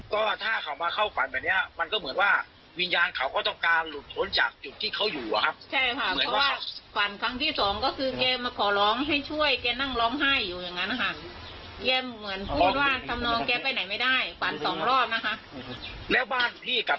เข้าไปได้ค่ะ